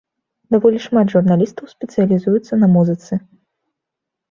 Даволі шмат журналістаў спецыялізуецца на музыцы.